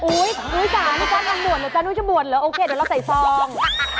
อุ๊ยจ้านุ้ยจะบ่วนหรือโอเคเดี๋ยวเราใส่ซ่อง